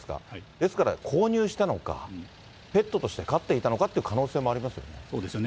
ですから、購入したのか、ペットとして飼っていたのかという可能性もありますよね。